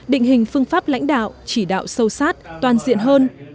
định hình phương pháp lãnh đạo chỉ đạo sâu sát toàn diện hơn